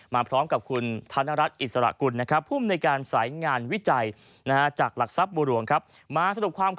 มาพร้อมกับคุณฐานรัชอิสระกุลภูมิในสายงานวิจัยจากหลักทรัพย์โบรโลก